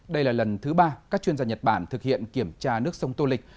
đây là lần thứ ba các chuyên gia nhật bản thực hiện kiểm tra nước sông tô lịch